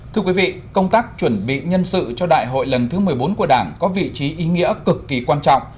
thưa quý vị công tác chuẩn bị nhân sự cho đại hội lần thứ một mươi bốn của đảng có vị trí ý nghĩa cực kỳ quan trọng